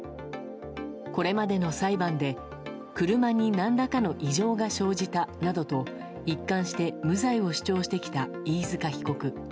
これまでの裁判で車に何らかの異常が生じたなどと一貫して無罪を主張してきた飯塚被告。